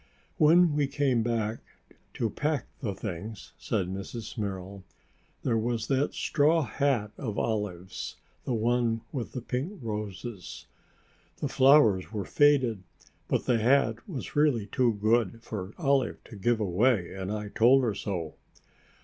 "When we came to pack the things," said Mrs. Merrill, "there was that straw hat of Olive's, the one with the pink roses. The flowers were faded, but the hat was really too good for Olive to give away, and I told her so."